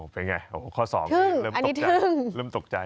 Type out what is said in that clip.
อ๋อเป็นไงข้อ๒เริ่มตกใจ